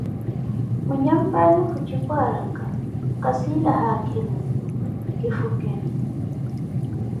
Mwinyapwaani kujipu araka, kasiila haakimunnu, kifukeni.